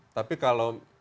tapi kalau kita lihat